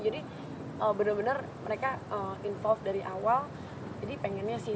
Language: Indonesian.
jadi bener bener mereka involved dari awal jadi pengennya sih